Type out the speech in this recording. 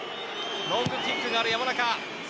ロングキックのある山中。